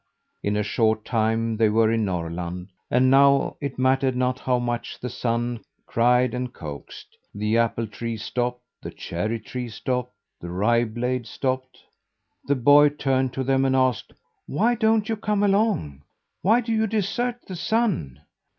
In a short time they were in Norrland, and now it mattered not how much the Sun cried and coaxed the apple tree stopped, the cherry tree stopped, the rye blade stopped! The boy turned to them and asked: "Why don't you come along? Why do you desert the Sun?"